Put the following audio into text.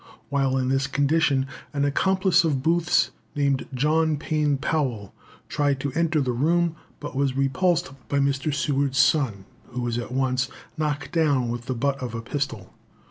While in this condition, an accomplice of Booth's, named John Payne Powell, tried to enter the room, but was repulsed by Mr. Seward's son, who was at once knocked down with the butt of a pistol.